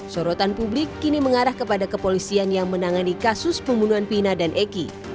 sorotan publik kini mengarah kepada kepolisian yang menangani kasus pembunuhan pina dan eki